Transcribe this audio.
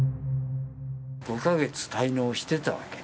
５か月滞納してたわけ。